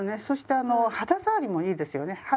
そしてあの肌触りもいいですよね。